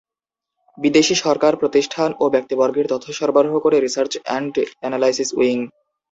বিদেশী সরকার, প্রতিষ্ঠান ও ব্যক্তিবর্গের তথ্য সরবরাহ করে রিসার্চ অ্যান্ড অ্যানালাইসিস উইং।